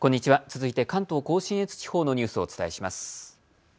続いて関東甲信越地方のニュースをお伝えします。